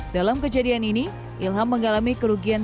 dalam kejadian ini ilham mengalami kerugian